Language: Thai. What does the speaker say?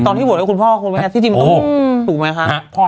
ตอนที่บวกกับคุณพ่อคุณว่าไงที่จริงมันเหลือถูกไหมคะ